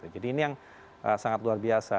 ini yang sangat luar biasa